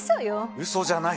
うそじゃない！